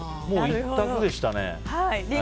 もう一択でしたね。